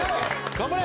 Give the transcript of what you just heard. ・頑張れ！